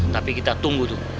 tapi kita tunggu tuh